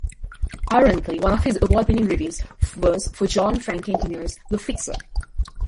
Ironically one of his award winning reviews was for John Frankenheimer's "The Fixer".